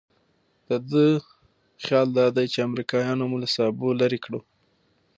د ده خیال دادی چې امریکایانو مو له سابو لرې کړو.